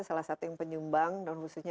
salah satu yang penyumbang dan khususnya